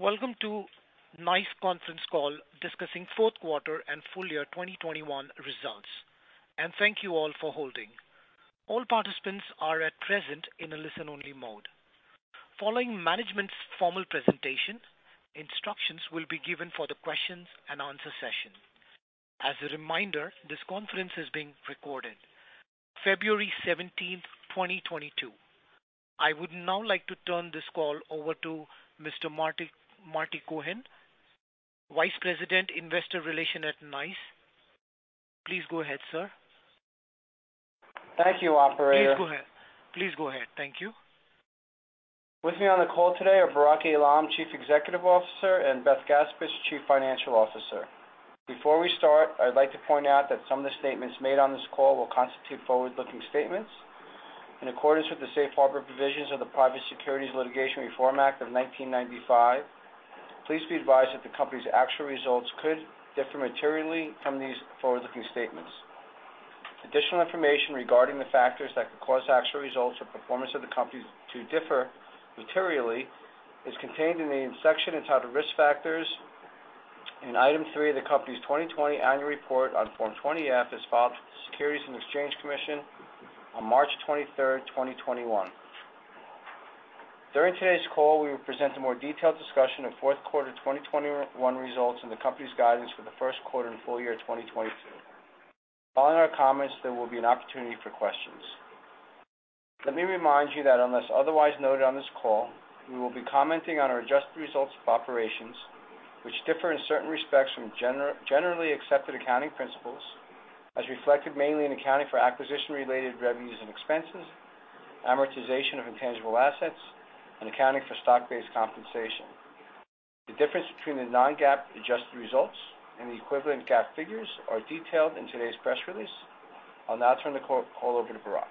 Welcome to NICE conference call discussing fourth quarter and full year 2021 results. Thank you all for holding. All participants are at present in a listen-only mode. Following management's formal presentation, instructions will be given for the question and answer session. As a reminder, this conference is being recorded February 17th, 2022. I would now like to turn this call over to Mr. Marty Cohen, Vice President, Investor Relations at NICE. Please go ahead, sir. Thank you, operator. Please go ahead. Thank you. With me on the call today are Barak Eilam, Chief Executive Officer, and Beth Gaspich, Chief Financial Officer. Before we start, I'd like to point out that some of the statements made on this call will constitute forward-looking statements. In accordance with the safe harbor provisions of the Private Securities Litigation Reform Act of 1995, please be advised that the company's actual results could differ materially from these forward-looking statements. Additional information regarding the factors that could cause actual results or performance of the company to differ materially is contained in the section entitled Risk Factors in item three of the company's 2020 annual report on Form 20-F, as filed with the Securities and Exchange Commission on March 23rd, 2021. During today's call, we will present a more detailed discussion of fourth quarter of 2021 results and the company's guidance for the first quarter and full year of 2022. Following our comments, there will be an opportunity for questions. Let me remind you that unless otherwise noted on this call, we will be commenting on our adjusted results of operations, which differ in certain respects from generally accepted accounting principles, as reflected mainly in accounting for acquisition-related revenues and expenses, amortization of intangible assets, and accounting for stock-based compensation. The difference between the non-GAAP adjusted results and the equivalent GAAP figures are detailed in today's press release. I'll now turn the call over to Barak.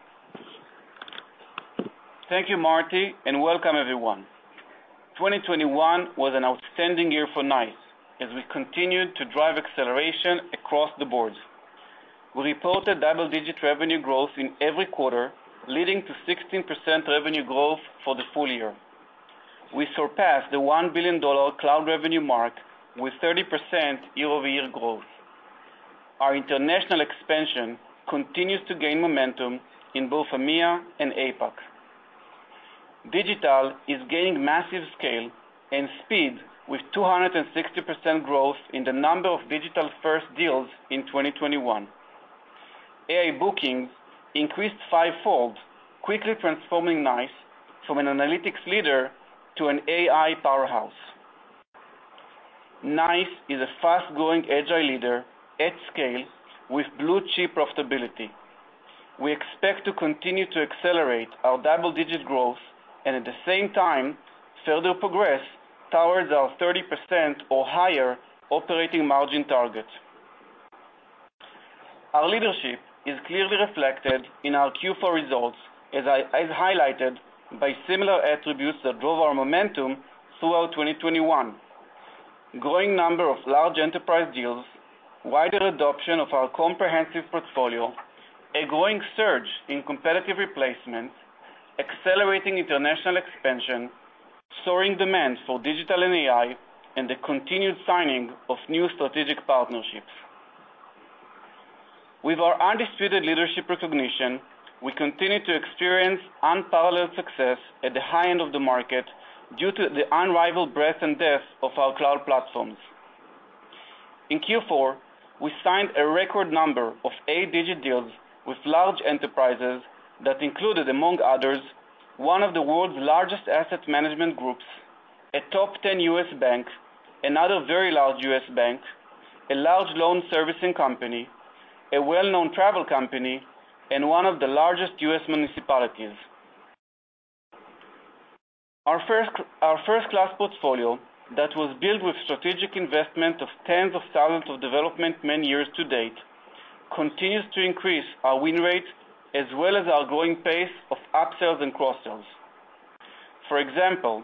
Thank you, Marty, and welcome everyone. 2021 was an outstanding year for NICE as we continued to drive acceleration across the board. We reported double-digit revenue growth in every quarter, leading to 16% revenue growth for the full year. We surpassed the $1 billion cloud revenue mark with 30% year-over-year growth. Our international expansion continues to gain momentum in both EMEA and APAC. Digital is gaining massive scale and speed with 260% growth in the number of digital-first deals in 2021. AI bookings increased five-fold, quickly transforming NICE from an analytics leader to an AI powerhouse. NICE is a fast-growing agile leader at scale with blue-chip profitability. We expect to continue to accelerate our double-digit growth and at the same time, further progress towards our 30% or higher operating margin target. Our leadership is clearly reflected in our Q4 results, as highlighted by similar attributes that drove our momentum throughout 2021, growing number of large enterprise deals, wider adoption of our comprehensive portfolio, a growing surge in competitive replacements, accelerating international expansion, soaring demand for digital and AI, and the continued signing of new strategic partnerships. With our undisputed leadership recognition, we continue to experience unparalleled success at the high-end of the market due to the unrivaled breadth and depth of our cloud platforms. In Q4, we signed a record number of eight-digit deals with large enterprises that included, among others, one of the world's largest asset management groups, a top 10 U.S. bank, another very large U.S. bank, a large loan servicing company, a well-known travel company, and one of the largest U.S. municipalities. Our first-class portfolio that was built with strategic investment of tens of thousands of development man-years to date continues to increase our win rate as well as our growing pace of upsells and cross-sells. For example,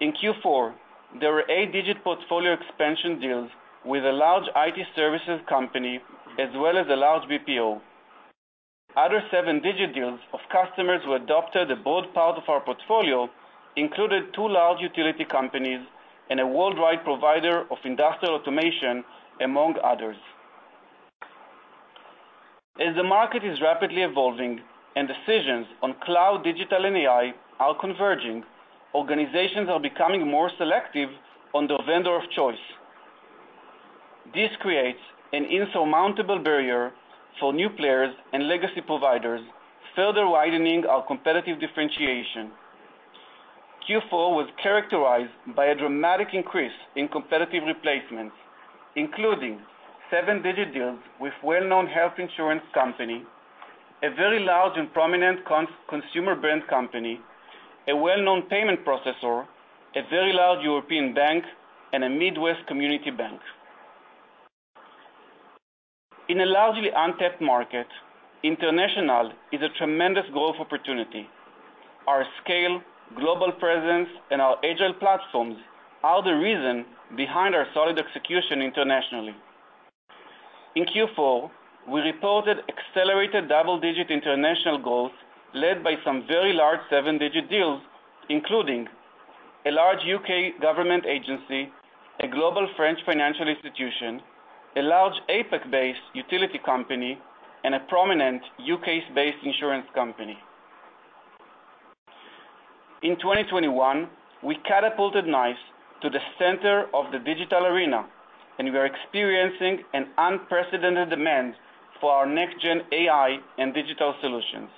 in Q4, there were eight-digit portfolio expansion deals with a large IT services company as well as a large BPO. Other seven-digit deals of customers who adopted a broad part of our portfolio included two large utility companies and a worldwide provider of industrial automation, among others. As the market is rapidly evolving and decisions on cloud, digital, and AI are converging, organizations are becoming more selective on their vendor of choice. This creates an insurmountable barrier for new players and legacy providers, further widening our competitive differentiation. Q4 was characterized by a dramatic increase in competitive replacements, including seven-digit deals with well-known health insurance company, a very large and prominent consumer brand company, a well-known payment processor, a very large European bank, and a Midwest community bank. In a largely untapped market, international is a tremendous growth opportunity. Our scale, global presence, and our agile platforms are the reason behind our solid execution internationally. In Q4, we reported accelerated double-digit international growth led by some very large seven-digit deals, including a large U.K. government agency, a global French financial institution, a large APAC-based utility company, and a prominent U.K.-based insurance company. In 2021, we catapulted NICE to the center of the digital arena, and we are experiencing an unprecedented demand for our next-gen AI and digital solutions.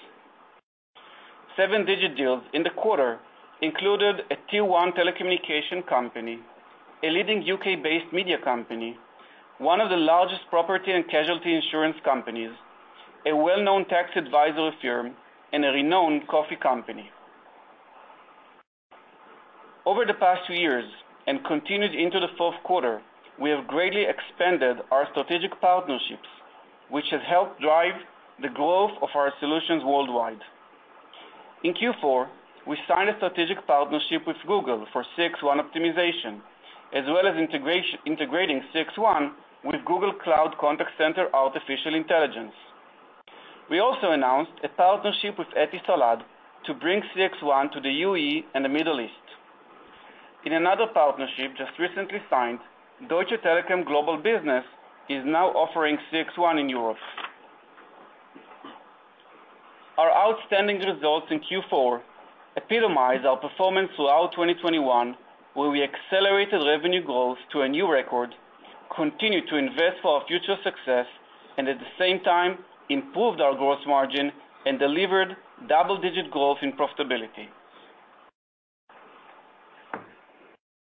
Seven-digit deals in the quarter included a tier-one telecommunication company, a leading U.K.-based media company, one of the largest property and casualty insurance companies, a well-known tax advisory firm, and a renowned coffee company. Over the past two years, and continued into the fourth quarter, we have greatly expanded our strategic partnerships, which has helped drive the growth of our solutions worldwide. In Q4, we signed a strategic partnership with Google for CXone optimization, as well as integrating CXone with Google Cloud Contact Center AI. We also announced a partnership with Etisalat to bring CXone to the UAE and the Middle East. In another partnership just recently signed, Deutsche Telekom Global Business is now offering CXone in Europe. Our outstanding results in Q4 epitomize our performance throughout 2021, where we accelerated revenue growth to a new record, continued to invest for our future success, and at the same time, improved our gross margin and delivered double-digit growth and profitability.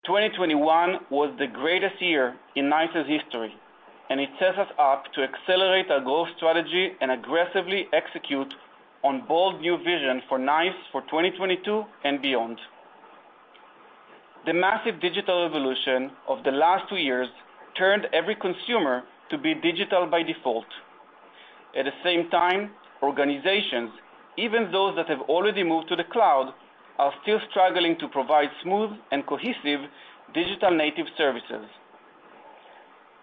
2021 was the greatest year in NICE's history, and it sets us up to accelerate our growth strategy and aggressively execute on bold new vision for NICE for 2022 and beyond. The massive digital evolution of the last two years turned every consumer to be digital by default. At the same time, organizations, even those that have already moved to the cloud, are still struggling to provide smooth and cohesive digital native services.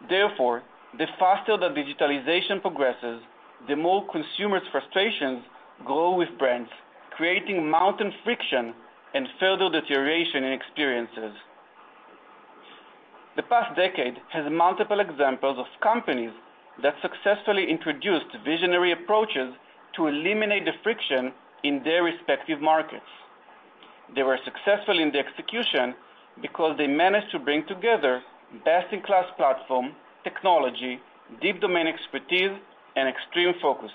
Therefore, the faster the digitalization progresses, the more consumers' frustrations grow with brands, creating mounting friction and further deterioration in experiences. The past decade has multiple examples of companies that successfully introduced visionary approaches to eliminate the friction in their respective markets. They were successful in the execution because they managed to bring together best-in-class platform, technology, deep domain expertise, and extreme focus.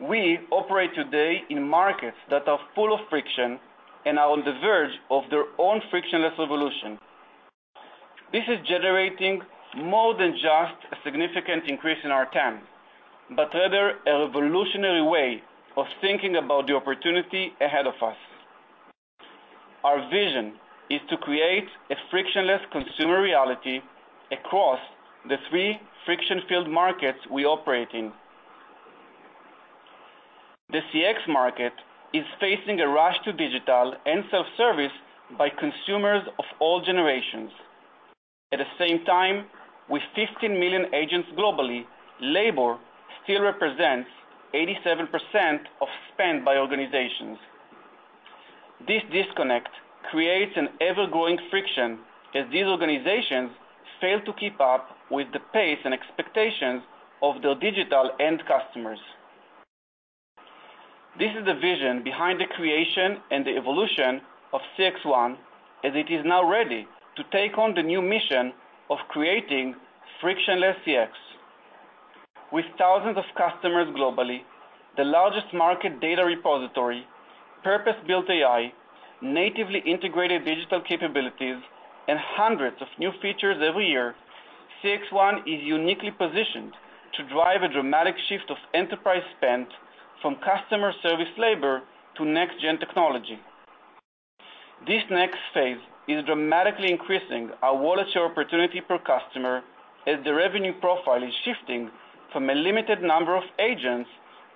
We operate today in markets that are full of friction and are on the verge of their own frictionless revolution. This is generating more than just a significant increase in our TAM, but rather a revolutionary way of thinking about the opportunity ahead of us. Our vision is to create a frictionless consumer reality across the three friction-filled markets we operate in. The CX market is facing a rush to digital and self-service by consumers of all generations. At the same time, with 15 million agents globally, labor still represents 87% of spend by organizations. This disconnect creates an ever-growing friction as these organizations fail to keep up with the pace and expectations of their digital end customers. This is the vision behind the creation and the evolution of CXone as it is now ready to take on the new mission of creating frictionless CX. With thousands of customers globally, the largest market data repository, purpose-built AI, natively integrated digital capabilities, and hundreds of new features every year, CXone is uniquely positioned to drive a dramatic shift of enterprise spend from customer service labor to next gen technology. This next phase is dramatically increasing our wallet share opportunity per customer as the revenue profile is shifting from a limited number of agents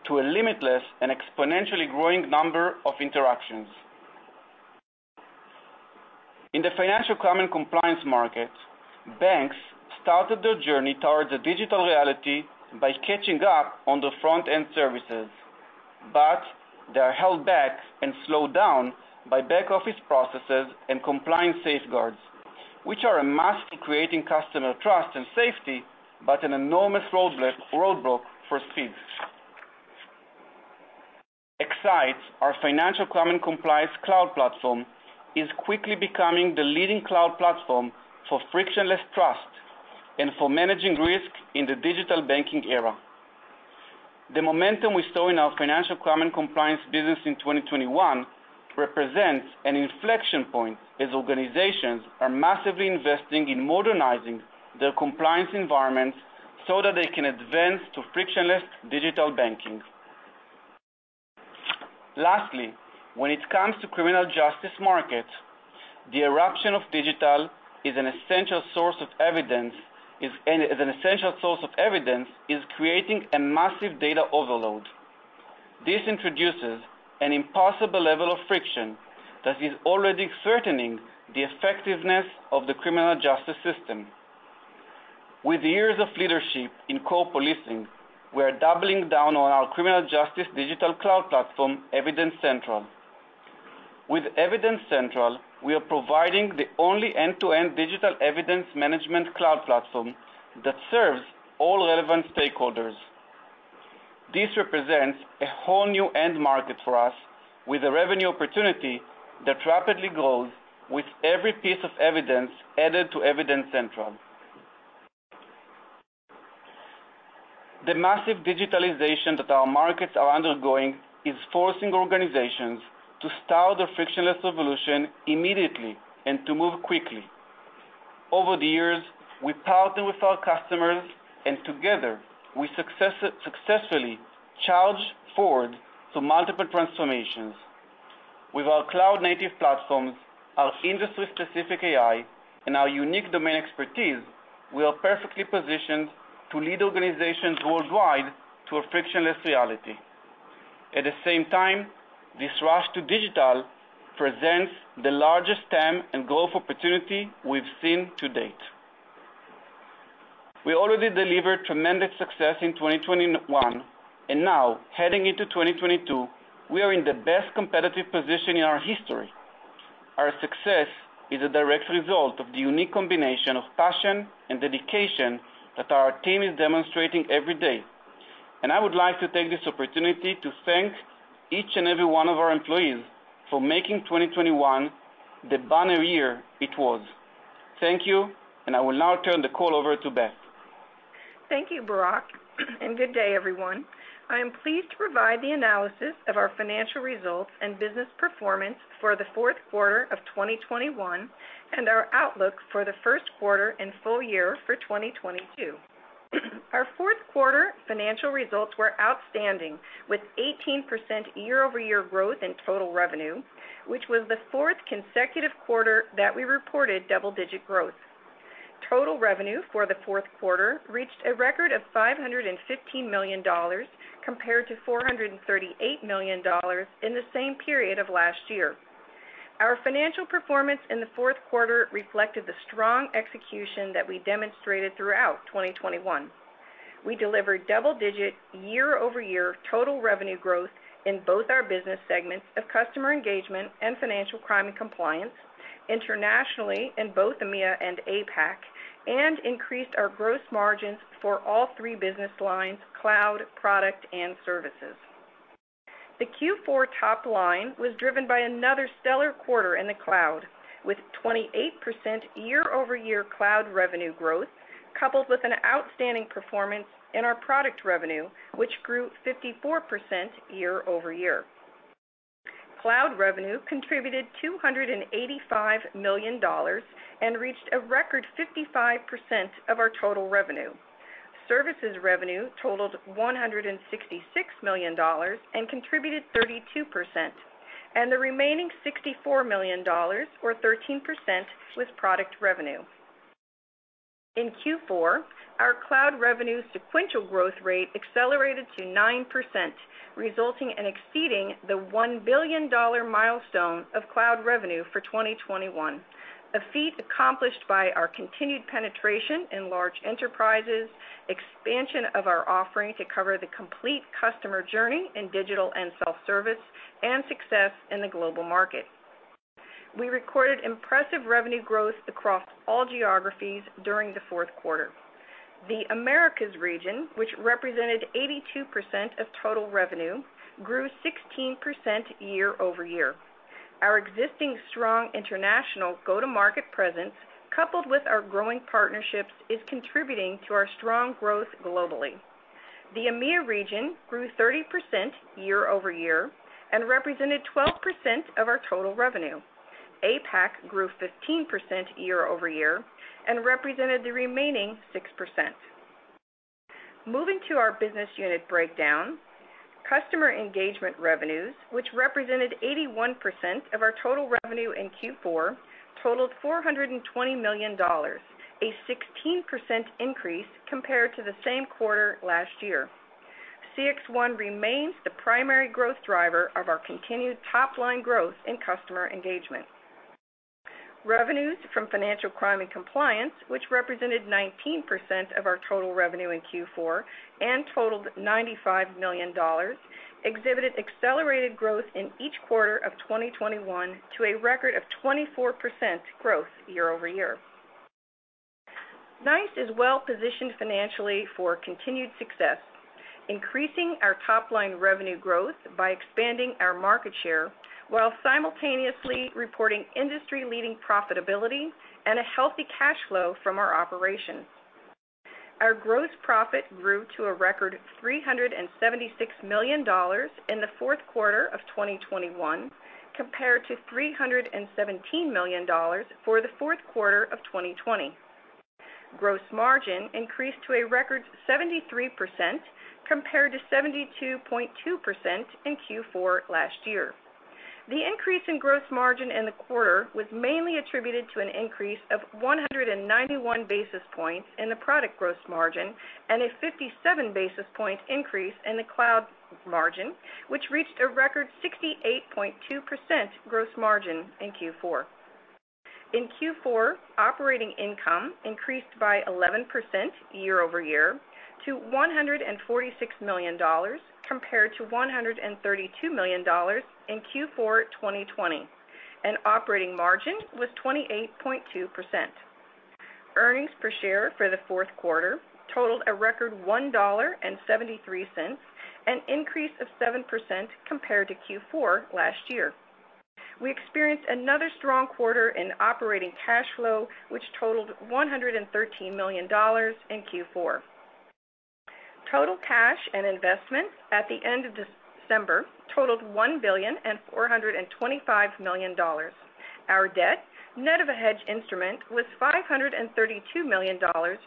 to a limitless and exponentially growing number of interactions. In the financial crime and compliance market, banks started their journey towards a digital reality by catching up on the front-end services. They are held back and slowed down by back-office processes and compliance safeguards, which are a must in creating customer trust and safety, but an enormous roadblock for speed. X-Sight, our financial crime and compliance cloud platform, is quickly becoming the leading cloud platform for frictionless trust and for managing risk in the digital banking era. The momentum we saw in our financial crime and compliance business in 2021 represents an inflection point as organizations are massively investing in modernizing their compliance environments so that they can advance to frictionless digital banking. Lastly, when it comes to criminal justice market, the eruption of digital is an essential source of evidence is creating a massive data overload. This introduces an impossible level of friction that is already threatening the effectiveness of the criminal justice system. With years of leadership in core policing, we are doubling down on our criminal justice digital cloud platform, Evidencentral. With Evidencentral, we are providing the only end-to-end digital evidence management cloud platform that serves all relevant stakeholders. This represents a whole new end market for us, with a revenue opportunity that rapidly grows with every piece of evidence added to Evidencentral. The massive digitalization that our markets are undergoing is forcing organizations to start their frictionless evolution immediately and to move quickly. Over the years, we've partnered with our customers, and together, we successfully charged forward through multiple transformations. With our cloud-native platforms, our industry-specific AI, and our unique domain expertise, we are perfectly positioned to lead organizations worldwide to a frictionless reality. At the same time, this rush to digital presents the largest TAM and growth opportunity we've seen to date. We already delivered tremendous success in 2021, and now heading into 2022, we are in the best competitive position in our history. Our success is a direct result of the unique combination of passion and dedication that our team is demonstrating every day. I would like to take this opportunity to thank each and every one of our employees for making 2021 the banner year it was. Thank you, and I will now turn the call over to Beth. Thank you, Barak, and good day, everyone. I am pleased to provide the analysis of our financial results and business performance for the fourth quarter of 2021, and our outlook for the first quarter and full year for 2022. Our fourth quarter financial results were outstanding, with 18% year-over-year growth in total revenue, which was the fourth consecutive quarter that we reported double-digit growth. Total revenue for the fourth quarter reached a record of $515 million compared to $438 million in the same period of last year. Our financial performance in the fourth quarter reflected the strong execution that we demonstrated throughout 2021. We delivered double-digit year-over-year total revenue growth in both our business segments of customer engagement and financial crime and compliance internationally in both EMEA and APAC, and increased our gross margins for all three business lines, cloud, product, and services. The Q4 top line was driven by another stellar quarter in the cloud, with 28% year-over-year cloud revenue growth, coupled with an outstanding performance in our product revenue, which grew 54% year over year. Cloud revenue contributed $285 million and reached a record 55% of our total revenue. Services revenue totaled $166 million and contributed 32%, and the remaining $64 million or 13% was product revenue. In Q4, our cloud revenue sequential growth rate accelerated to 9%, resulting in exceeding the $1 billion milestone of cloud revenue for 2021, a feat accomplished by our continued penetration in large enterprises, expansion of our offering to cover the complete customer journey in digital and self-service, and success in the global market. We recorded impressive revenue growth across all geographies during the fourth quarter. The Americas region, which represented 82% of total revenue, grew 16% year over year. Our existing strong international go-to-market presence, coupled with our growing partnerships, is contributing to our strong growth globally. The EMEA region grew 30% year over year and represented 12% of our total revenue. APAC grew 15% year over year and represented the remaining 6%. Moving to our business unit breakdown, customer engagement revenues, which represented 81% of our total revenue in Q4, totaled $420 million, a 16% increase compared to the same quarter last year. CXone remains the primary growth driver of our continued top-line growth in customer engagement. Revenues from financial crime and compliance, which represented 19% of our total revenue in Q4 and totaled $95 million, exhibited accelerated growth in each quarter of 2021 to a record of 24% growth year-over-year. NICE is well positioned financially for continued success, increasing our top-line revenue growth by expanding our market share while simultaneously reporting industry-leading profitability and a healthy cash flow from our operations. Our gross profit grew to a record $376 million in the fourth quarter of 2021 compared to $317 million for the fourth quarter of 2020. Gross margin increased to a record 73% compared to 72.2% in Q4 last year. The increase in gross margin in the quarter was mainly attributed to an increase of 191 basis points in the product gross margin and a 57 basis point increase in the cloud margin, which reached a record 68.2% gross margin in Q4. In Q4, operating income increased by 11% year-over-year to $146 million compared to $132 million in Q4 2020. Operating margin was 28.2%. Earnings per share for the fourth quarter totaled a record $1.73, an increase of 7% compared to Q4 last year. We experienced another strong quarter in operating cash flow, which totaled $113 million in Q4. Total cash and investments at the end of December totaled $1.425 billion. Our debt, net of a hedge instrument, was $532 million,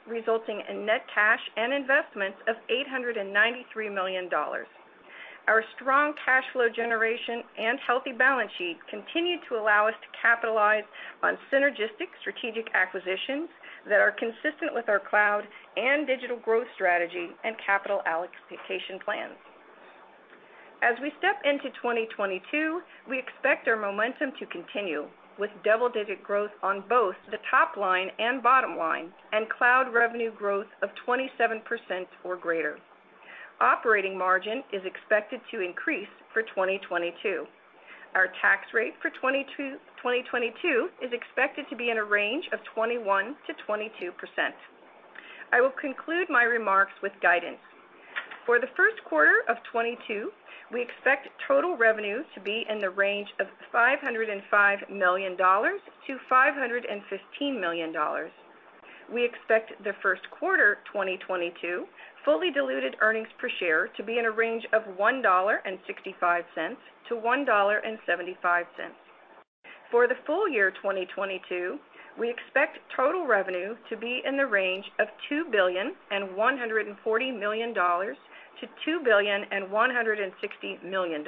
resulting in net cash and investments of $893 million. Our strong cash flow generation and healthy balance sheet continued to allow us to capitalize on synergistic strategic acquisitions that are consistent with our cloud and digital growth strategy and capital allocation plans. As we step into 2022, we expect our momentum to continue with double-digit growth on both the top line and bottom line, and cloud revenue growth of 27% or greater. Operating margin is expected to increase for 2022. Our tax rate for 2022 is expected to be in a range of 21%-22%. I will conclude my remarks with guidance. For the first quarter of 2022, we expect total revenue to be in the range of $505 million-$515 million. We expect the first quarter 2022 fully diluted earnings per share to be in a range of $1.65-$1.75. For the full year 2022, we expect total revenue to be in the range of $2.14 billion-$2.16 billion,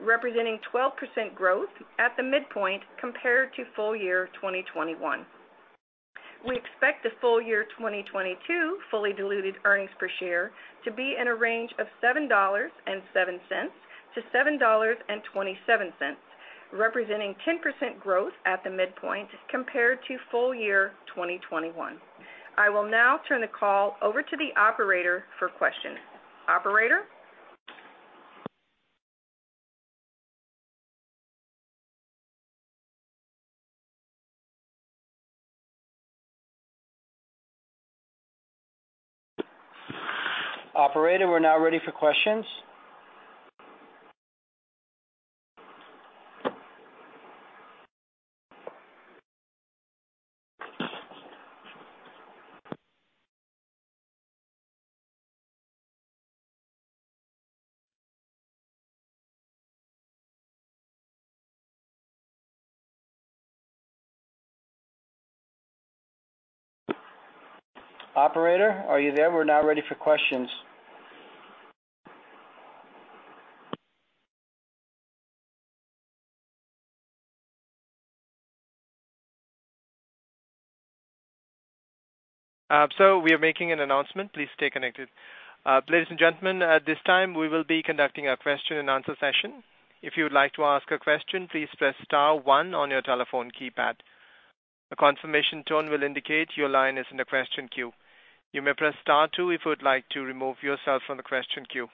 representing 12% growth at the midpoint compared to full year 2021. We expect the full year 2022 fully diluted earnings per share to be in a range of $7.07-$7.27, representing 10% growth at the midpoint compared to full year 2021. I will now turn the call over to the operator for questions. Operator? Operator, we're now ready for questions. Operator, are you there? We're now ready for questions. We are making an announcement. Please stay connected. Ladies and gentlemen, at this time we will be conducting a question and answer session. If you would like to ask a question, please press star one on your telephone keypad. A confirmation tone will indicate your line is in the question queue. You may press star two if you would like to remove yourself from the question queue.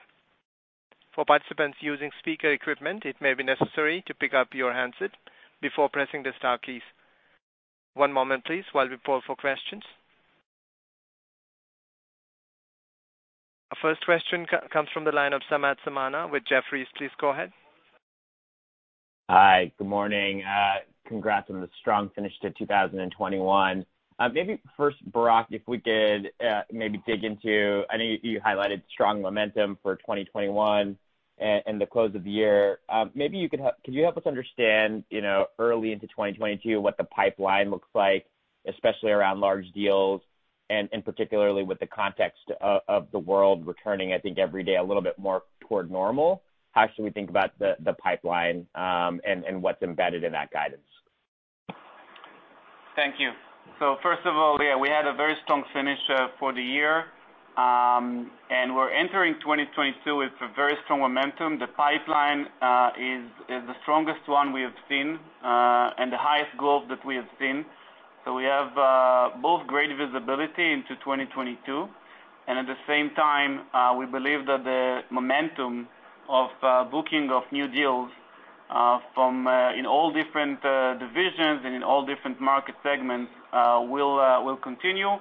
For participants using speaker equipment, it may be necessary to pick up your handset before pressing the star keys. One moment please while we poll for questions. Our first question comes from the line of Samad Samana with Jefferies. Please go ahead. Hi. Good morning. Congrats on the strong finish to 2021. Maybe first, Barak, if we could maybe dig into, I know you highlighted strong momentum for 2021 and the close of the year. Maybe you could help us understand, you know, early into 2022 what the pipeline looks like, especially around large deals and particularly with the context of the world returning, I think, every day a little bit more toward normal. How should we think about the pipeline and what's embedded in that guidance? Thank you. First of all, yeah, we had a very strong finish for the year. We're entering 2022 with a very strong momentum. The pipeline is the strongest one we have seen, and the highest growth that we have seen. We have both great visibility into 2022, and at the same time, we believe that the momentum of booking of new deals from in all different divisions and in all different market segments will continue.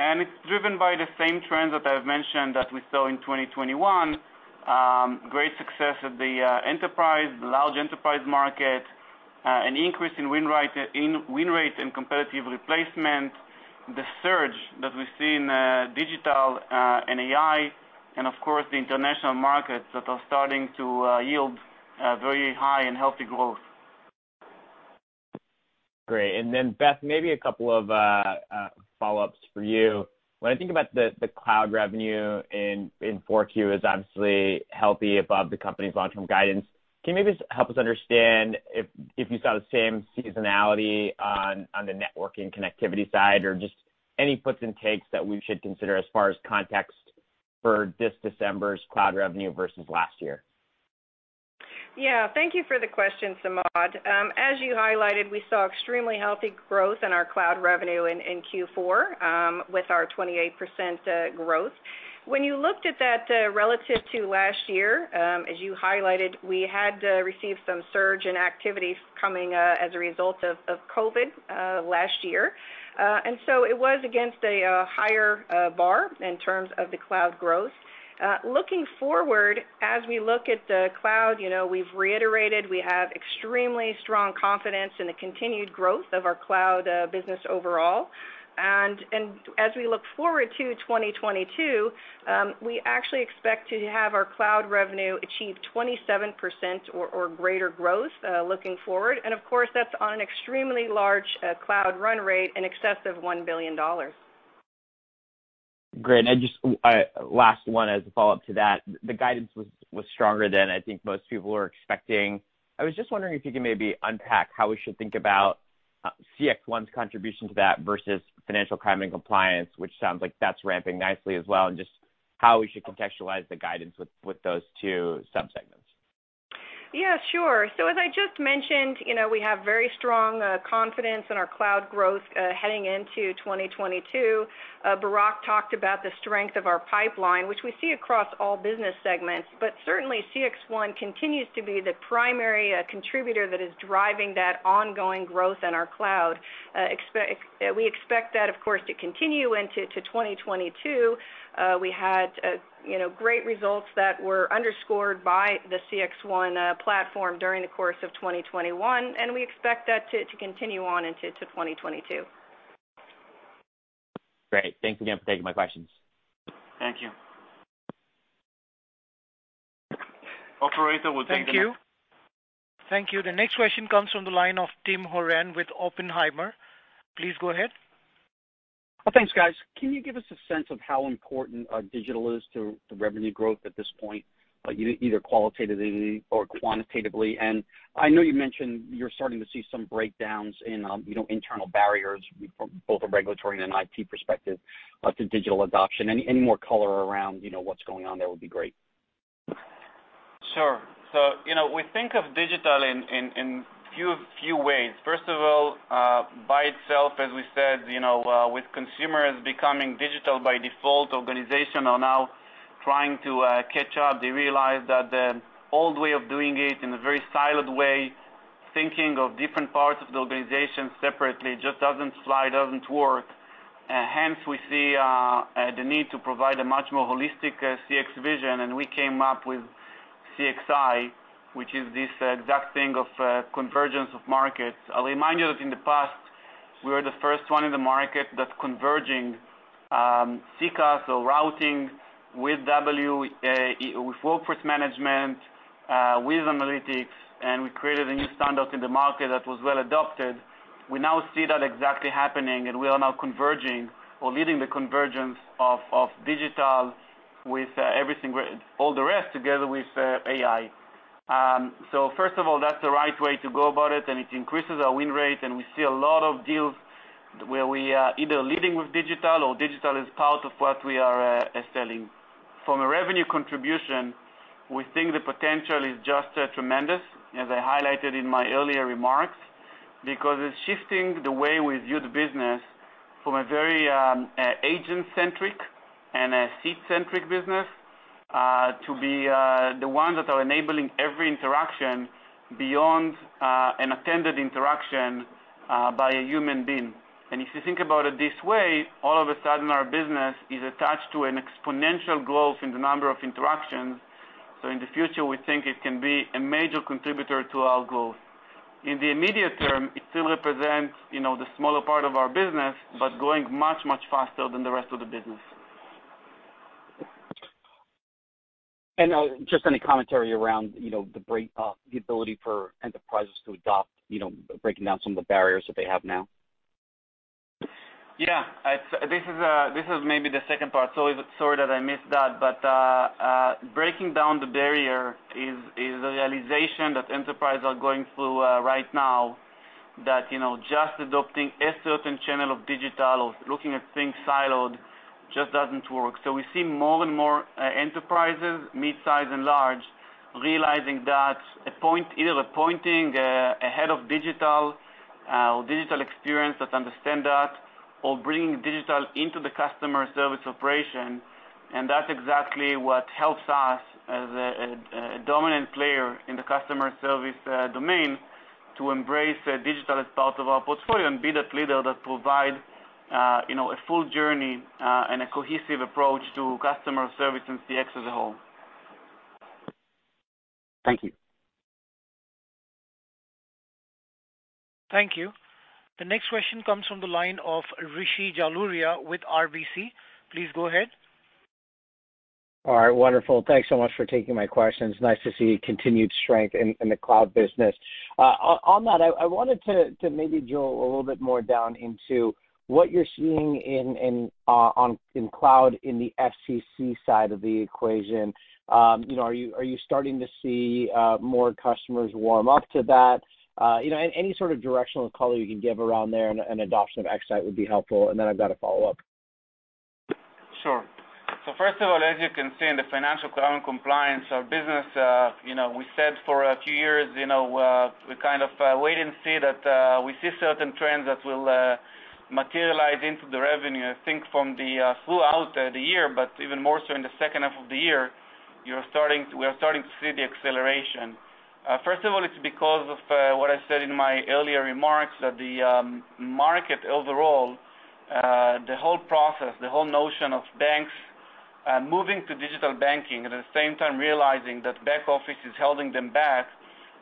It's driven by the same trends that I've mentioned that we saw in 2021. Great success at the enterprise large enterprise market, an increase in win rate and competitive replacement, the surge that we've seen digital and AI, and of course, the international markets that are starting to yield very high and healthy growth. Great. Then Beth, maybe a couple of follow-ups for you. When I think about the cloud revenue in Q4 is obviously healthy above the company's long-term guidance. Can you maybe just help us understand if you saw the same seasonality on the networking connectivity side? Or just any puts and takes that we should consider as far as context for this December's cloud revenue versus last year. Yeah. Thank you for the question, Samad. As you highlighted, we saw extremely healthy growth in our cloud revenue in Q4 with our 28% growth. When you looked at that relative to last year, as you highlighted, we had received some surge in activities coming as a result of COVID last year. It was against a higher bar in terms of the cloud growth. Looking forward, as we look at the cloud, you know, we've reiterated we have extremely strong confidence in the continued growth of our cloud business overall. As we look forward to 2022, we actually expect to have our cloud revenue achieve 27% or greater growth looking forward. Of course, that's on an extremely large, cloud run rate in excess of $1 billion. Great. I just last one as a follow-up to that. The guidance was stronger than I think most people were expecting. I was just wondering if you could maybe unpack how we should think about CXone's contribution to that versus financial crime and compliance, which sounds like that's ramping nicely as well, and just how we should contextualize the guidance with those two sub-segments? Yeah, sure. As I just mentioned, you know, we have very strong confidence in our cloud growth heading into 2022. Barak talked about the strength of our pipeline, which we see across all business segments. Certainly CXone continues to be the primary contributor that is driving that ongoing growth in our cloud. We expect that, of course, to continue into 2022. We had, you know, great results that were underscored by the CXone platform during the course of 2021, and we expect that to continue on into 2022. Great. Thanks again for taking my questions. Thank you. Operator, we'll take the next. Thank you. Thank you. The next question comes from the line of Tim Horan with Oppenheimer. Please go ahead. Oh, thanks, guys. Can you give us a sense of how important digital is to revenue growth at this point, either qualitatively or quantitatively? I know you mentioned you're starting to see some breakdowns in, you know, internal barriers from both a regulatory and IT perspective to digital adoption. Any more color around, you know, what's going on there would be great. Sure. You know, we think of digital in a few ways. First of all, by itself, as we said, you know, with consumers becoming digital by default, organizations are now trying to catch up. They realize that the old way of doing it in a very siloed way, thinking of different parts of the organization separately just doesn't fly, doesn't work. Hence, we see the need to provide a much more holistic CX vision, and we came up with CXI, which is this exact thing of convergence of markets. I'll remind you that in the past, we were the first one in the market that's converging CCaaS or routing with WFO with workforce management with analytics, and we created a new standard in the market that was well adopted. We now see that exactly happening, and we are now converging or leading the convergence of digital with everything all the rest together with AI. First of all, that's the right way to go about it, and it increases our win rate, and we see a lot of deals where we are either leading with digital or digital is part of what we are selling. From a revenue contribution, we think the potential is just tremendous, as I highlighted in my earlier remarks, because it's shifting the way we view the business from a very agent-centric and a seat-centric business to be the ones that are enabling every interaction beyond an attended interaction by a human being. If you think about it this way, all of a sudden our business is attached to an exponential growth in the number of interactions. In the future, we think it can be a major contributor to our growth. In the immediate term, it still represents, you know, the smaller part of our business, but growing much, much faster than the rest of the business. Just any commentary around, you know, the break, the ability for enterprises to adopt, you know, breaking down some of the barriers that they have now. This is maybe the second part, so sorry that I missed that. Breaking down the barrier is the realization that enterprise are going through right now that, you know, just adopting a certain channel of digital or looking at things siloed just doesn't work. We see more and more enterprises, midsize and large, realizing that appointing either a head of digital or digital experience that understand that or bringing digital into the customer service operation. That's exactly what helps us as a dominant player in the customer service domain to embrace digital as part of our portfolio and be that leader that provide, you know, a full journey and a cohesive approach to customer service and CX as a whole. Thank you. Thank you. The next question comes from the line of Rishi Jaluria with RBC. Please go ahead. All right, wonderful. Thanks so much for taking my questions. Nice to see continued strength in the cloud business. On that, I wanted to maybe drill a little bit more down into what you're seeing in cloud in the FCC side of the equation. You know, are you starting to see more customers warm up to that? You know, any sort of directional color you can give around there and adoption of X-Sight would be helpful, and then I've got a follow-up. Sure. First of all, as you can see in the Financial Cloud and Compliance business, you know, we said for a few years, you know, we kind of wait and see that we see certain trends that will materialize into the revenue. I think from throughout the year, but even more so in the second half of the year, we are starting to see the acceleration. First of all, it's because of what I said in my earlier remarks that the market overall, the whole process, the whole notion of banks moving to digital banking, at the same time realizing that back office is holding them back,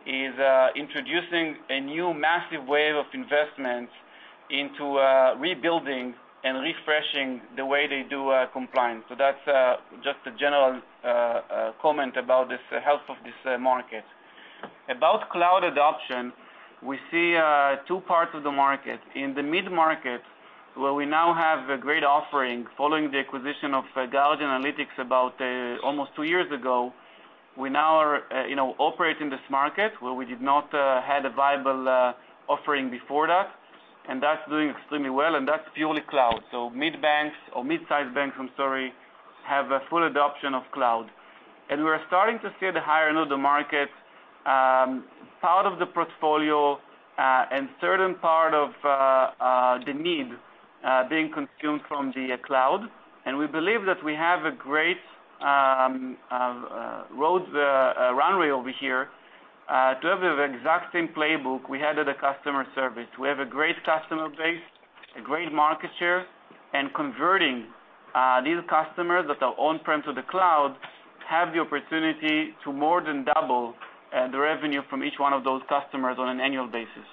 is introducing a new massive wave of investments into rebuilding and refreshing the way they do compliance. That's just a general comment about the health of this market. About cloud adoption, we see two parts of the market. In the mid-market, where we now have a great offering following the acquisition of Guardian Analytics about almost two years ago, we now, you know, operate in this market where we did not had a viable offering before that, and that's doing extremely well, and that's purely cloud. Mid banks or midsize banks, I'm sorry, have a full adoption of cloud. We're starting to see the higher end of the market part of the portfolio and certain part of the need being consumed from the cloud. We believe that we have a great runway over here to have the exact same playbook we had at the customer service. We have a great customer base, a great market share, and converting these customers that are on-prem to the cloud have the opportunity to more than double the revenue from each one of those customers on an annual basis.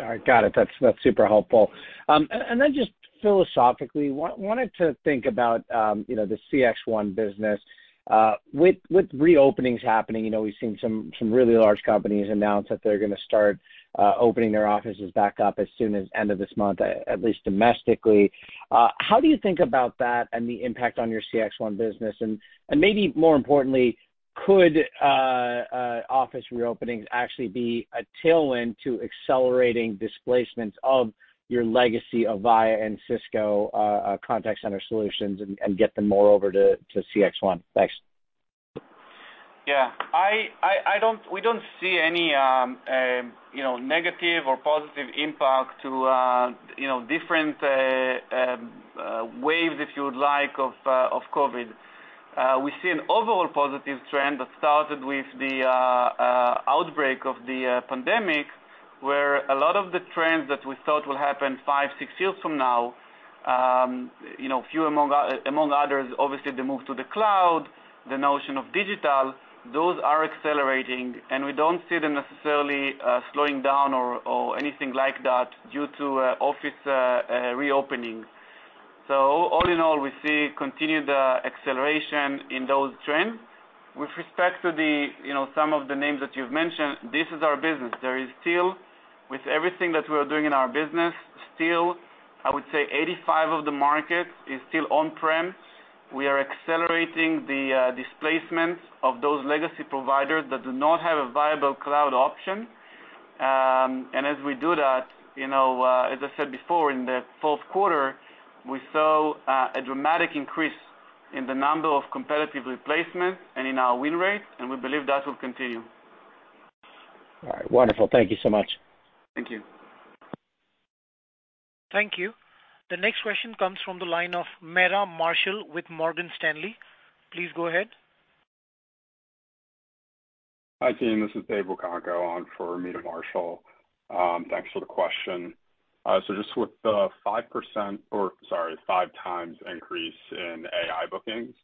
All right. Got it. That's super helpful. And then just philosophically, wanted to think about, you know, the CXone business. With reopenings happening, you know, we've seen some really large companies announce that they're gonna start opening their offices back up as soon as end of this month, at least domestically. How do you think about that and the impact on your CXone business? And maybe more importantly, could office reopenings actually be a tailwind to accelerating displacements of your legacy Avaya and Cisco contact center solutions and get them more over to CXone? Thanks. Yeah. We don't see any, you know, negative or positive impact to, you know, different waves, if you would like, of COVID. We see an overall positive trend that started with the outbreak of the pandemic, where a lot of the trends that we thought will happen five, six years from now, you know, few among others, obviously the move to the cloud, the notion of digital, those are accelerating, and we don't see them necessarily slowing down or anything like that due to office reopening. All in all, we see continued acceleration in those trends. With respect to the, you know, some of the names that you've mentioned, this is our business. There is still, with everything that we're doing in our business, still, I would say 85% of the market is still on-prem. We are accelerating the displacements of those legacy providers that do not have a viable cloud option. As we do that, you know, as I said before, in the fourth quarter, we saw a dramatic increase in the number of competitive replacements and in our win rate, and we believe that will continue. All right. Wonderful. Thank you so much. Thank you. Thank you. The next question comes from the line of Meta Marshall with Morgan Stanley. Please go ahead. Hi, team. This is Dave Lucango on for Meta Marshall. Thanks for the question. So just with the five times increase in AI bookings,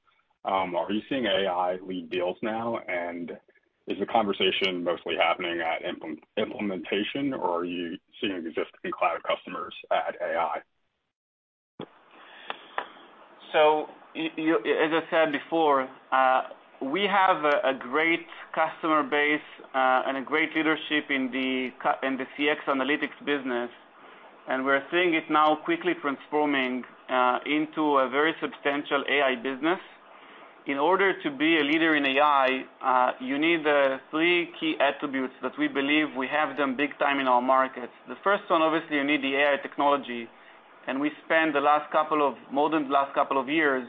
are you seeing AI lead deals now? And is the conversation mostly happening at implementation, or are you seeing existing cloud customers add AI? As I said before, we have a great customer base, and a great leadership in the CX analytics business, and we're seeing it now quickly transforming into a very substantial AI business. In order to be a leader in AI, you need three key attributes that we believe we have them big time in our markets. The first one, obviously, you need the AI technology, and we spent more than the last couple of years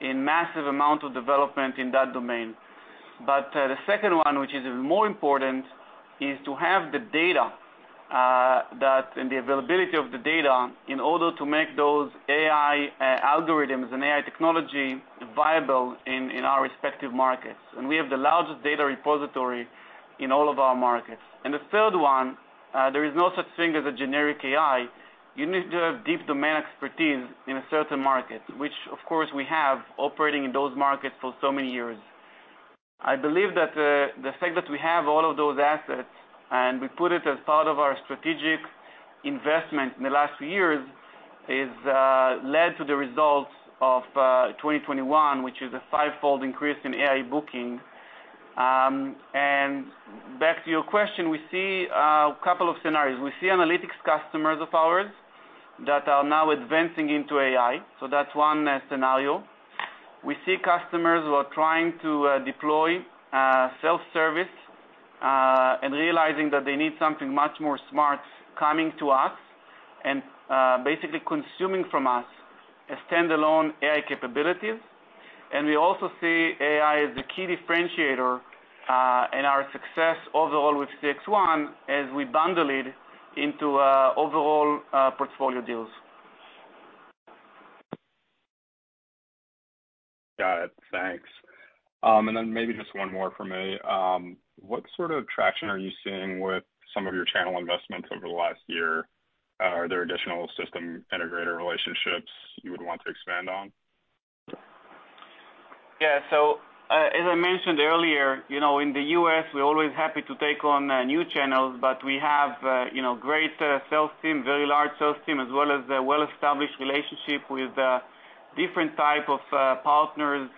in massive amount of development in that domain. The second one, which is even more important, is to have the data and the availability of the data in order to make those AI algorithms and AI technology viable in our respective markets. We have the largest data repository in all of our markets. The third one, there is no such thing as a generic AI. You need to have deep domain expertise in a certain market, which of course we have operating in those markets for so many years. I believe that the fact that we have all of those assets and we put it as part of our strategic investment in the last few years is led to the results of 2021, which is a fivefold increase in AI booking. Back to your question, we see a couple of scenarios. We see analytics customers of ours that are now advancing into AI. That's one scenario. We see customers who are trying to deploy self-service and realizing that they need something much more smart coming to us and basically consuming from us a standalone AI capabilities. We also see AI as a key differentiator in our success overall with CXone as we bundle it into overall portfolio deals. Got it. Thanks. Maybe just one more from me. What sort of traction are you seeing with some of your channel investments over the last year? Are there additional system integrator relationships you would want to expand on? Yeah, as I mentioned earlier, you know, in the U.S., we're always happy to take on new channels, but we have, you know, great sales team, very large sales team, as well as a well-established relationship with different type of partners,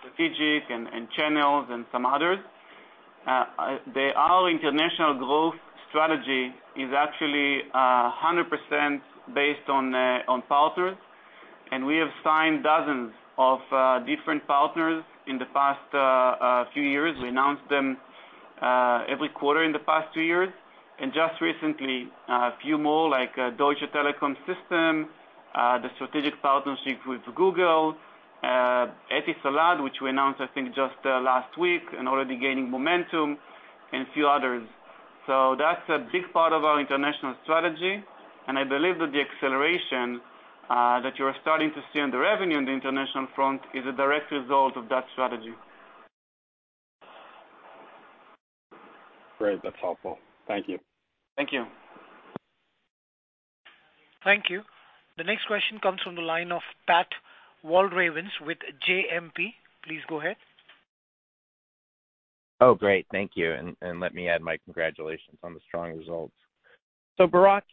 strategic and channels and some others. Our international growth strategy is actually 100% based on partners. We have signed dozens of different partners in the past few years. We announced them every quarter in the past two years. Just recently, a few more like Deutsche Telekom, the strategic partnership with Google, Etisalat, which we announced, I think, just last week and already gaining momentum and a few others. That's a big part of our international strategy. I believe that the acceleration that you are starting to see on the revenue on the international front is a direct result of that strategy. Great. That's helpful. Thank you. Thank you. Thank you. The next question comes from the line of Pat Walravens with JMP. Please go ahead. Oh, great. Thank you. Let me add my congratulations on the strong results. Barak,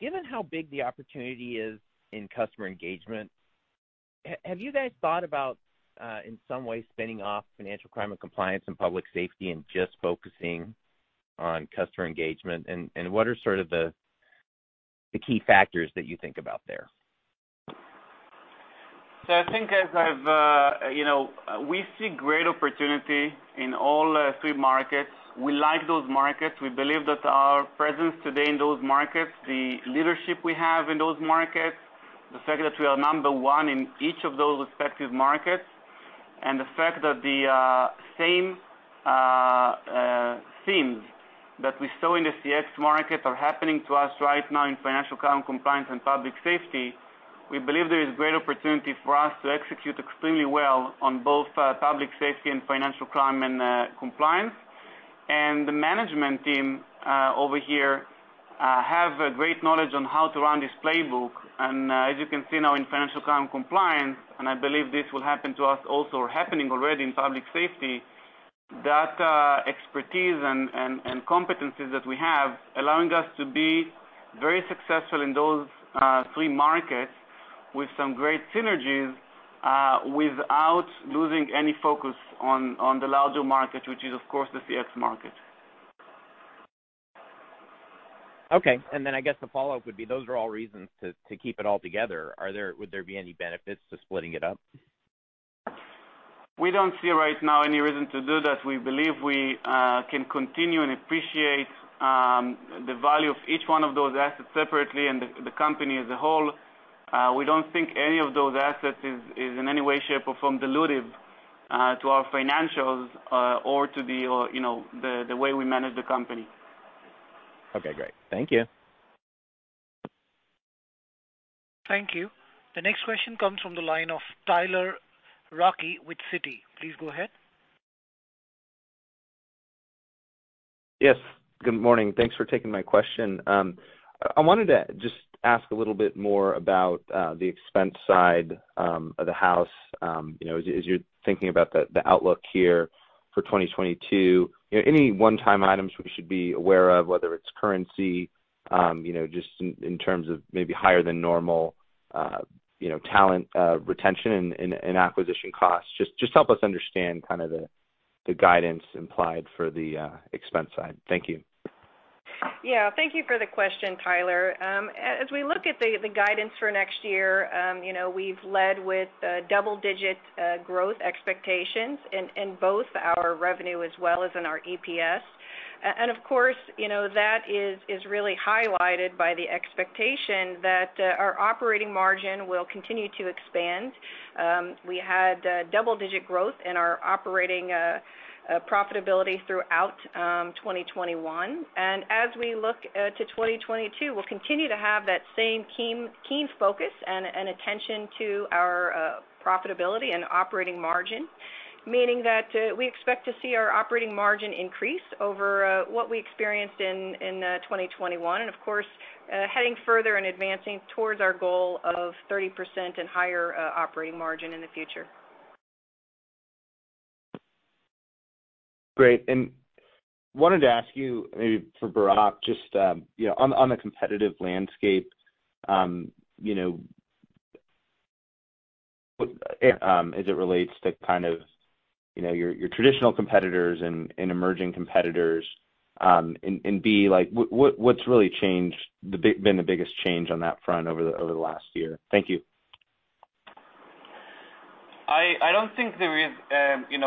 given how big the opportunity is in customer engagement, have you guys thought about, in some way, spinning off financial crime and compliance and public safety and just focusing on customer engagement? What are sort of the key factors that you think about there? I think as I've we see great opportunity in all three markets. We like those markets. We believe that our presence today in those markets, the leadership we have in those markets, the fact that we are number one in each of those respective markets, and the fact that the same themes that we saw in the CX market are happening to us right now in financial crime, compliance and public safety. We believe there is great opportunity for us to execute extremely well on both public safety and financial crime and compliance. The management team over here have a great knowledge on how to run this playbook. as you can see now in financial crime compliance, and I believe this will happen to us also or happening already in public safety, that expertise and competencies that we have allowing us to be very successful in those three markets with some great synergies, without losing any focus on the larger market, which is of course the CX market. Okay. I guess the follow-up would be, those are all reasons to keep it all together. Would there be any benefits to splitting it up? We don't see right now any reason to do that. We believe we can continue and appreciate the value of each one of those assets separately and the company as a whole. We don't think any of those assets is in any way, shape, or form dilutive to our financials or to you know, the way we manage the company. Okay, great. Thank you. Thank you. The next question comes from the line of Tyler Radke with Citi. Please go ahead. Yes, good morning. Thanks for taking my question. I wanted to just ask a little bit more about the expense side of the house. You know, as you're thinking about the outlook here for 2022, any one-time items we should be aware of, whether it's currency, you know, just in terms of maybe higher than normal talent retention and acquisition costs. Just help us understand kind of the guidance implied for the expense side. Thank you. Yeah. Thank you for the question, Tyler. As we look at the guidance for next year, you know, we've led with double-digit growth expectations in both our revenue as well as in our EPS. Of course, you know, that is really highlighted by the expectation that our operating margin will continue to expand. We had double-digit growth in our operating profitability throughout 2021. As we look to 2022, we'll continue to have that same keen focus and attention to our profitability and operating margin, meaning that we expect to see our operating margin increase over what we experienced in 2021. Of course, heading further and advancing towards our goal of 30% and higher operating margin in the future. Great. Wanted to ask you, maybe for Barak, just you know, on the competitive landscape, you know, what, as it relates to kind of, you know, your traditional competitors like what's really changed, been the biggest change on that front over the last year? Thank you. I don't think there is, you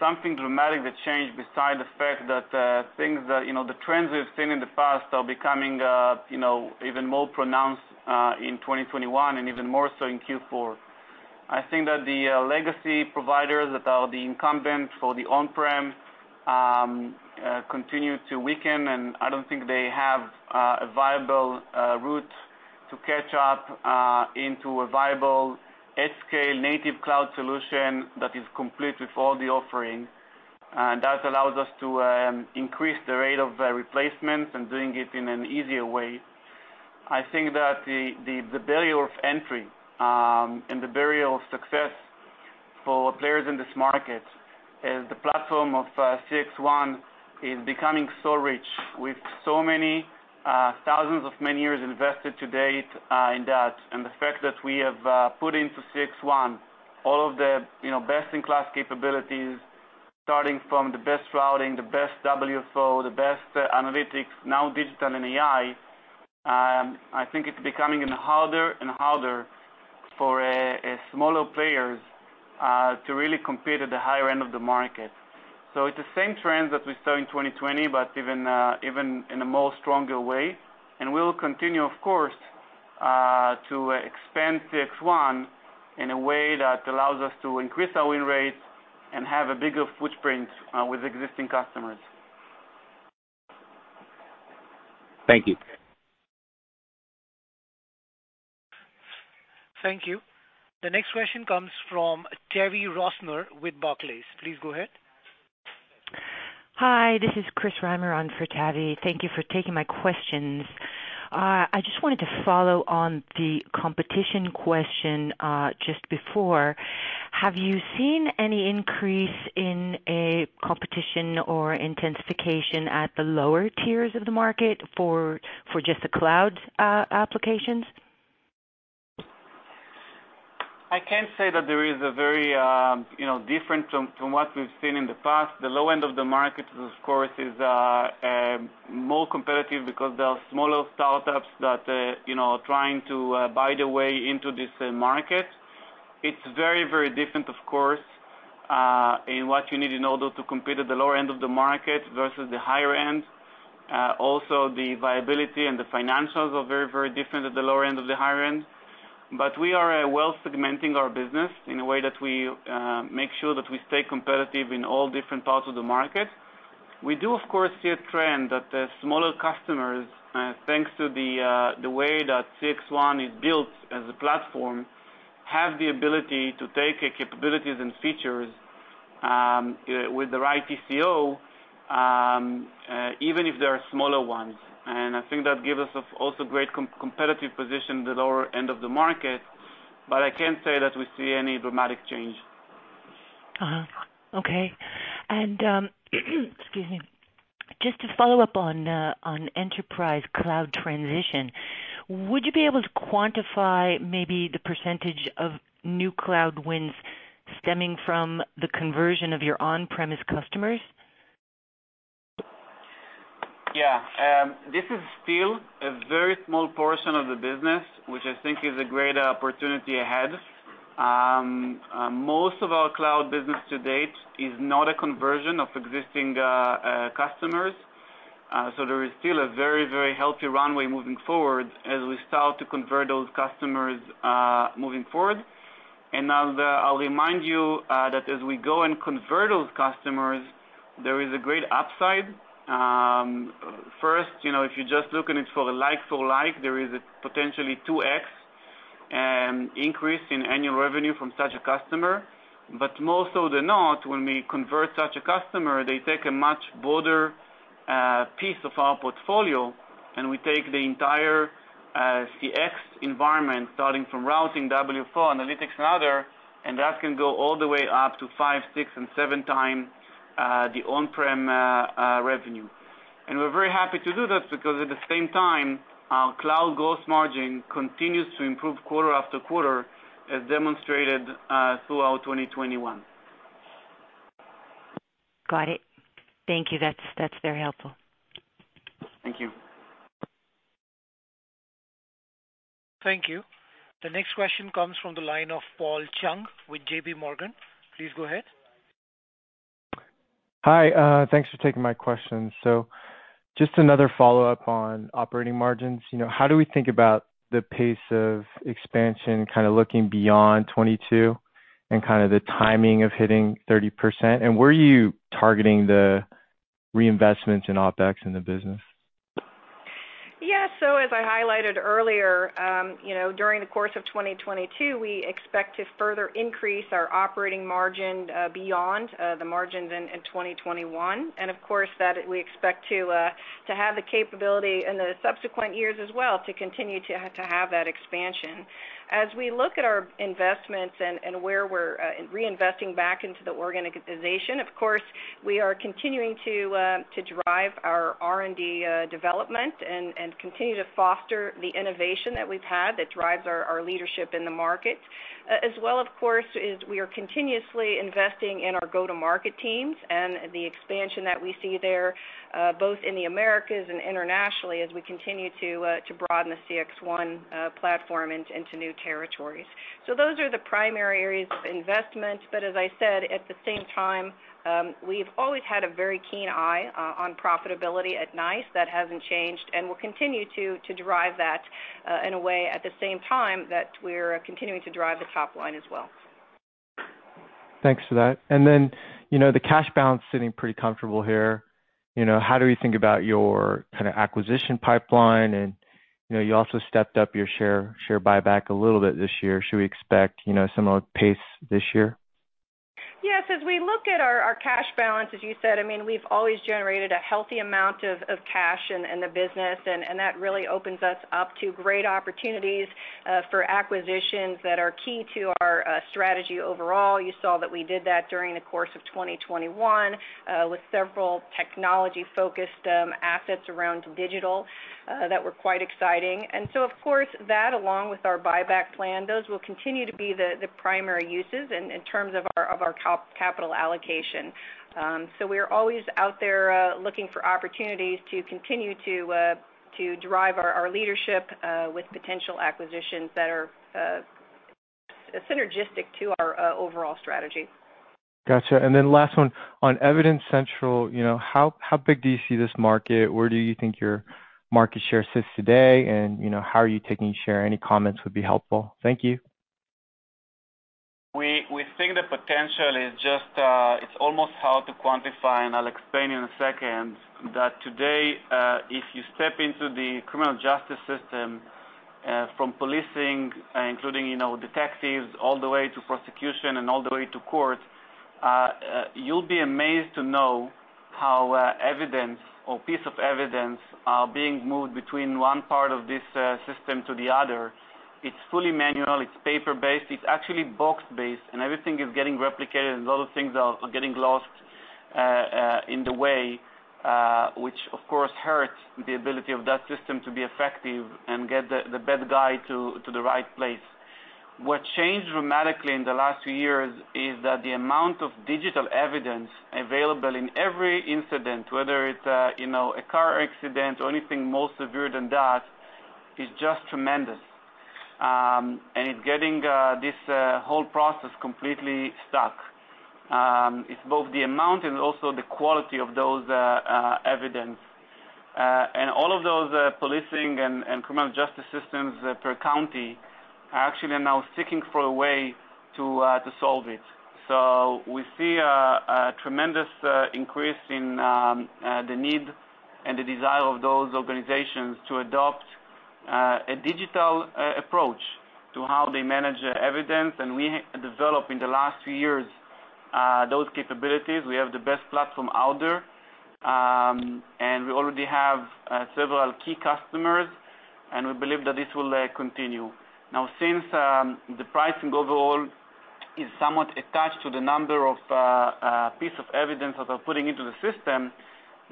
know, something dramatic that changed besides the fact that, things that, you know, the trends we have seen in the past are becoming, you know, even more pronounced, in 2021 and even more so in Q4. I think that the legacy providers that are the incumbents for the on-prem continue to weaken, and I don't think they have a viable route to catch up into a viable at scale native cloud solution that is complete with all the offerings. That allows us to increase the rate of replacements and doing it in an easier way. I think that the barrier of entry and the barrier of success for players in this market is the platform of CXone is becoming so rich with so many thousands of man-years invested to date in that. The fact that we have put into CXone all of the you know best in class capabilities, starting from the best routing, the best WFO, the best analytics, now digital and AI, I think it's becoming harder and harder for smaller players to really compete at the higher end of the market. It's the same trends that we saw in 2020, but even in a more stronger way. We'll continue, of course, to expand CXone in a way that allows us to increase our win rates and have a bigger footprint with existing customers. Thank you. Thank you. The next question comes from Tavy Rosner with Barclays. Please go ahead. Hi, this is Chris Reimer on for Tavi. Thank you for taking my questions. I just wanted to follow on the competition question, just before. Have you seen any increase in a competition or intensification at the lower tiers of the market for just the cloud applications? I can say that there is a very, you know, different from what we've seen in the past. The low end of the market, of course, is more competitive because there are smaller startups that, you know, are trying to buy their way into this market. It's very, very different, of course, in what you need in order to compete at the lower end of the market versus the higher end. Also the viability and the financials are very, very different at the lower end and the higher end. We are well segmenting our business in a way that we make sure that we stay competitive in all different parts of the market. We do, of course, see a trend that smaller customers, thanks to the way that CXone is built as a platform, have the ability to take capabilities and features with the right TCO, even if they are smaller ones. I think that gives us also great competitive position at the lower end of the market. I can't say that we see any dramatic change. Excuse me. Just to follow up on enterprise cloud transition, would you be able to quantify maybe the percentage of new cloud wins stemming from the conversion of your on-premise customers? Yeah. This is still a very small portion of the business, which I think is a great opportunity ahead. Most of our cloud business to date is not a conversion of existing customers. There is still a very, very healthy runway moving forward as we start to convert those customers, moving forward. I'll remind you that as we go and convert those customers, there is a great upside. First, you know, if you just look at it for like for like, there is a potentially 2x increase in annual revenue from such a customer. More so than not, when we convert such a customer, they take a much broader piece of our portfolio, and we take the entire CX environment, starting from routing, WFO, analytics and other, and that can go all the way up to 5, 6 and 7x the on-prem revenue. We're very happy to do that because at the same time, our cloud gross margin continues to improve quarter after quarter, as demonstrated throughout 2021. Got it. Thank you. That's very helpful. Thank you. Thank you. The next question comes from the line of Paul Chung with J.P. Morgan. Please go ahead. Hi. Thanks for taking my question. Just another follow-up on operating margins. You know, how do we think about the pace of expansion kind of looking beyond 2022 and kind of the timing of hitting 30%? And where are you targeting the reinvestments in OpEx in the business? Yeah. As I highlighted earlier, you know, during the course of 2022, we expect to further increase our operating margin beyond the margins in 2021. Of course that we expect to have the capability in the subsequent years as well to continue to have that expansion. As we look at our investments and where we're reinvesting back into the organization, of course, we are continuing to drive our R&D development and continue to foster the innovation that we've had that drives our leadership in the market. As well, of course, is we are continuously investing in our go-to-market teams and the expansion that we see there both in the Americas and internationally as we continue to broaden the CXone platform into new territories. Those are the primary areas of investment. As I said, at the same time, we've always had a very keen eye on profitability at NICE. That hasn't changed, and we'll continue to drive that in a way at the same time that we're continuing to drive the top line as well. Thanks for that. Then, you know, the cash balance sitting pretty comfortable here. You know, how do we think about your kind of acquisition pipeline? You know, you also stepped up your share buyback a little bit this year. Should we expect, you know, similar pace this year? Yes. As we look at our cash balance, as you said, I mean, we've always generated a healthy amount of cash in the business, and that really opens us up to great opportunities for acquisitions that are key to our strategy overall. You saw that we did that during the course of 2021 with several technology-focused assets around digital that were quite exciting. Of course, that along with our buyback plan, those will continue to be the primary uses in terms of our capital allocation. We are always out there looking for opportunities to continue to drive our leadership with potential acquisitions that are synergistic to our overall strategy. Got you. Last one. On Evidencentral, you know, how big do you see this market? Where do you think your market share sits today? You know, how are you taking share? Any comments would be helpful. Thank you. We think the potential is just, it's almost hard to quantify, and I'll explain in a second, that today, if you step into the criminal justice system, from policing, including, you know, detectives all the way to prosecution and all the way to court, you'll be amazed to know how evidence or piece of evidence are being moved between one part of this system to the other. It's fully manual. It's paper-based. It's actually box-based, and everything is getting replicated, and a lot of things are getting lost in the way, which of course hurts the ability of that system to be effective and get the bad guy to the right place. What changed dramatically in the last few years is that the amount of digital evidence available in every incident, whether it's you know a car accident or anything more severe than that, is just tremendous. It's getting this whole process completely stuck. It's both the amount and also the quality of those evidence. All of those policing and criminal justice systems per county are actually now seeking for a way to solve it. We see a tremendous increase in the need and the desire of those organizations to adopt a digital approach to how they manage evidence. We developed in the last few years those capabilities. We have the best platform out there, and we already have several key customers, and we believe that this will continue. Now, since the pricing overall is somewhat attached to the number of piece of evidence that they're putting into the system,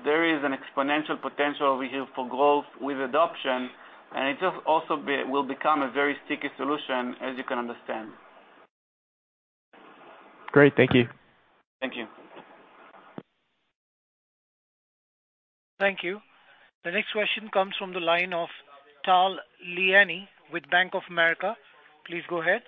there is an exponential potential we have for growth with adoption, and it just also will become a very sticky solution, as you can understand. Great. Thank you. Thank you. Thank you. The next question comes from the line of Tal Liani with Bank of America. Please go ahead.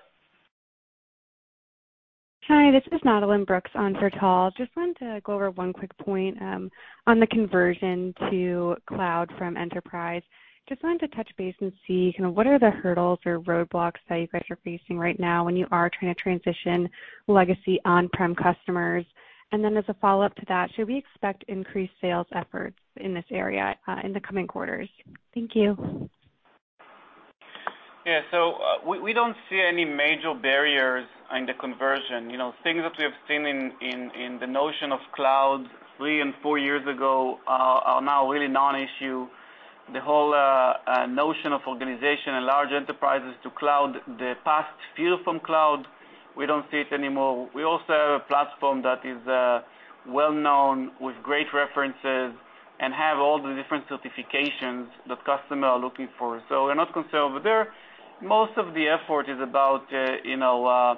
Hi, this is Madeline Brooks on for Tal. Just wanted to go over one quick point on the conversion to cloud from enterprise. Just wanted to touch base and see, you know, what are the hurdles or roadblocks that you guys are facing right now when you are trying to transition legacy on-prem customers. As a follow-up to that, should we expect increased sales efforts in this area in the coming quarters? Thank you. Yeah. We don't see any major barriers in the conversion. You know, things that we have seen in the notion of cloud three and four years ago are now really non-issue. The whole notion of organization and large enterprises to cloud the past fear from cloud, we don't see it anymore. We also have a platform that is well-known with great references and have all the different certifications that customer are looking for. We're not concerned over there. Most of the effort is about, you know,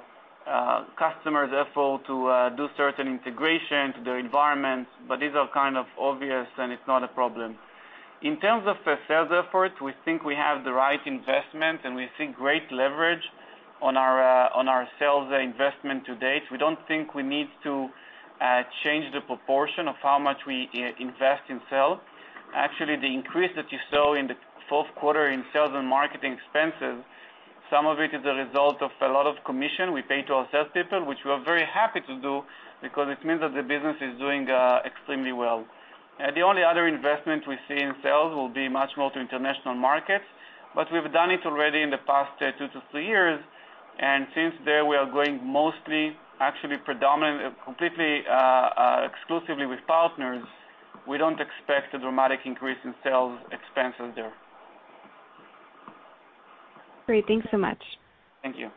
customers' effort to do certain integration to their environments, but these are kind of obvious, and it's not a problem. In terms of the sales effort, we think we have the right investment, and we see great leverage on our sales investment to date. We don't think we need to change the proportion of how much we invest in sales. Actually, the increase that you saw in the fourth quarter in sales and marketing expenses, some of it is a result of a lot of commission we pay to our salespeople, which we are very happy to do because it means that the business is doing extremely well. The only other investment we see in sales will be much more to international markets. But we've done it already in the past two to three years. Since there we are going mostly, actually predominant, completely exclusively with partners, we don't expect a dramatic increase in sales expenses there. Great. Thanks so much. Thank you.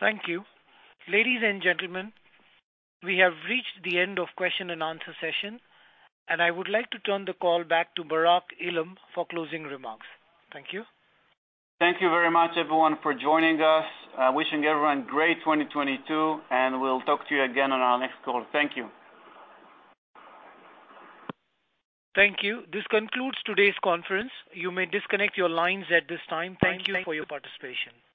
Thank you. Ladies and gentlemen, we have reached the end of question and answer session, and I would like to turn the call back to Barak Eilam for closing remarks. Thank you. Thank you very much, everyone, for joining us. Wishing everyone great 2022, and we'll talk to you again on our next call. Thank you. Thank you. This concludes today's conference. You may disconnect your lines at this time. Thank you for your participation.